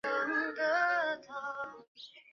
耆英号接下来驶往英国。